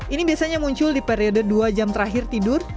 ini biasanya muncul di periode dua jam terakhir tidur